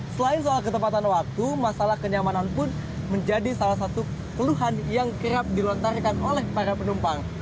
selain soal ketepatan waktu masalah kenyamanan pun menjadi salah satu keluhan yang kerap dilontarkan oleh para penumpang